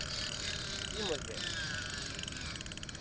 _Imos ver...